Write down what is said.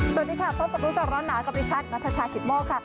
สวัสดีค่ะพบกันด้วยกับร้อนหนาครอบริชักนัทชาขิตโม่ค่ะ